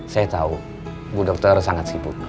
saya tahu bu dokter sangat sibuk